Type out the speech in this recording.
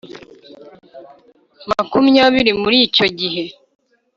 makumyabiri Muri icyo gihe